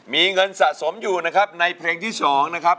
มีเงินสะสมอยู่นะครับในเพลงที่๒นะครับ